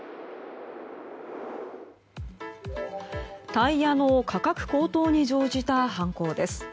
タイヤの価格高騰に乗じた犯行です。